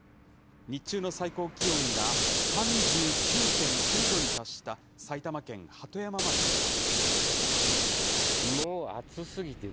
日中の最高気温が３９．９度に達した埼玉県鳩山町では。